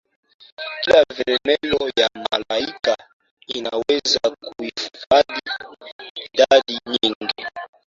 Kila vermelho ya Malaika inaweza kuhifadhi idadi nyingi